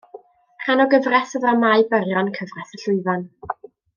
Rhan o gyfres o ddramâu byrion Cyfres y Llwyfan.